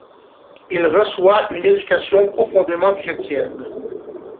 Il reçoit une éducation profondément chrétienne.